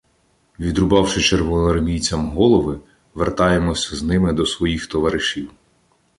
Відрубавши червоноармійцям голови, вертаємося з ними до своїх товаришів.